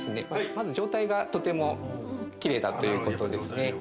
まず状態が、とても綺麗だということですね。